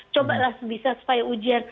cobalah bisa supaya ujian